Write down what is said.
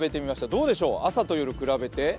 どうでしょう、朝と夜比べて。